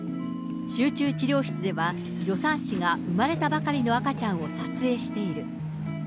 集中治療室では助産師が産まれたばかりの赤ちゃんを撮影している。